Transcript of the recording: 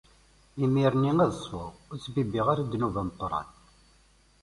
Imir-nni ad ṣfuɣ, ur ttbibbiɣ ara ddnub ameqqran.